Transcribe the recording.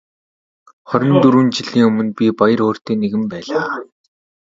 Хорин дөрвөн жилийн өмнө би баяр хөөртэй нэгэн байлаа.